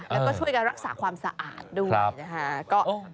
แล้วก็ช่วยกันรักษาความสะอาดด้วยนะคะ